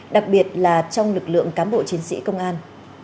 đặc biệt là trong lực lượng cám bộ chiến sĩ công an